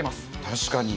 確かに。